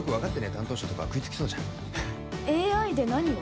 担当者とか食いつきそうじゃんＡＩで何を？